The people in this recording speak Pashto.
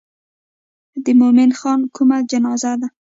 د مومن خان کومه جنازه ده.